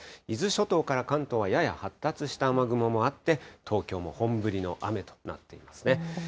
伊豆諸島から関東はやや発達した雨雲もあって、東京も本降りの雨となっていますね。